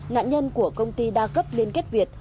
nạn nhân của công ty đa cấp liên kết việt